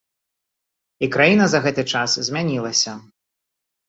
І краіна за гэты час змянілася.